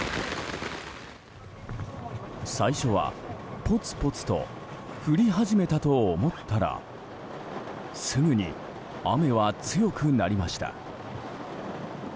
最初は、ぽつぽつと降り始めたと思ったらすぐに、雨は強くなりました。